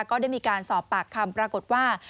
ก็ได้มีการสอบปากคำปรากฏว่า